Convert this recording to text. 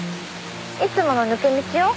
「いつもの抜け道よ。